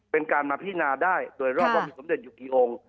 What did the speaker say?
เป็นการมาพินาได้โดยรอบว่ามีสมเด็จอยู่กี่องค์